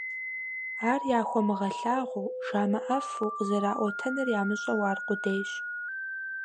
Ар яхуэмыгъэлъагъуэу, жамыӀэфу, къызэраӀуэтэнур ямыщӀэу аркъудейщ.